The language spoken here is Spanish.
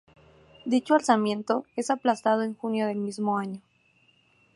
Dicho alzamiento es aplastado en junio del mismo año.